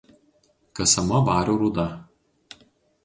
Kasama vario rūda.